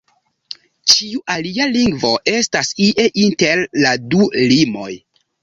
Ĉiu alia lingvo estas ie inter la du limoj.